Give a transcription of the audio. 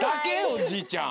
おじいちゃん。